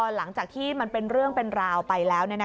หลังจากที่มันเป็นเรื่องเป็นราวไปแล้ว